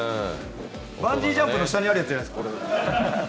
バンジージャンプの下にあるやつじゃないですか。